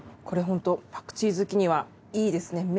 これホントパクチー好きにはいいですね。